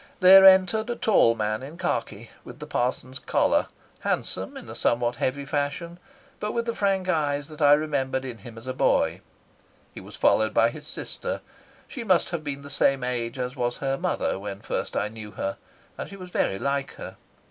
There entered a tall man in khaki, with the parson's collar, handsome in a somewhat heavy fashion, but with the frank eyes that I remembered in him as a boy. He was followed by his sister. She must have been the same age as was her mother when first I knew her, and she was very like her.